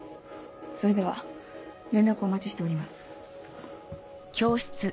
それでは連絡お待ちしております。